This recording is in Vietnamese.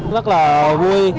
rất là vui